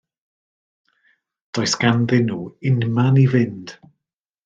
Does ganddyn nhw unman i fynd.